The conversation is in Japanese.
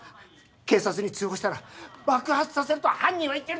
警察に通報したら爆発させると犯人は言ってるんだ！